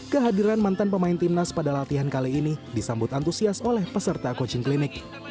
kehadiran mantan pemain timnas pada latihan kali ini disambut antusias oleh peserta coaching klinik